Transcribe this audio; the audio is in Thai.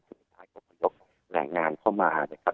หรือถ่ายกับคนยกแหล่งงานเข้ามานะครับ